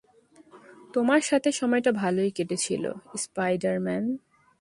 তোমার সাথে সময়টা ভালোই কেটেছিল, স্পাইডার-ম্যান।